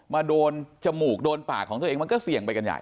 มาโดนจมูกโดนปากของตัวเองมันก็เสี่ยงไปกันใหญ่